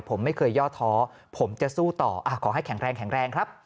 ผมไม่เคยย่อท้อผมจะสู้ต่อขอให้แข็งแรงแข็งแรงครับ